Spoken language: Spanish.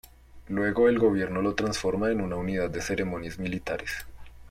Luego el gobierno lo transforma en una unidad de ceremonias militares.